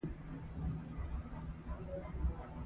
په افغانستان کې د نورستان تاریخ خورا ډیر اوږد تاریخ دی.